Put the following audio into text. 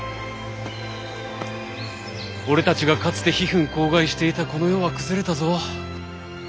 俺たちがかつて悲憤慷慨していたこの世は崩れたぞ。